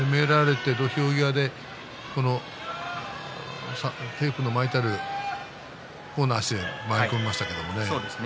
攻められて土俵際でテープの巻いてある方の足で回り込みましたけれどもね。